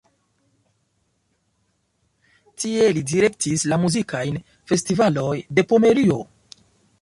Tie li direktis la muzikajn festivaloj de Pomerio.